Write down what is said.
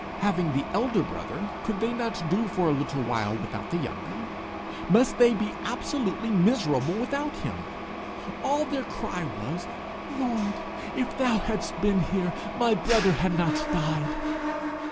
Having the elder brother, could they not do for a little while without the younger? Must they be absolutely miserable without him? All their cry was, 'Lord, if thou hadst been here, my brother had not died!'